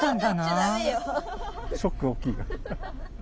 ショックが大きいんだ。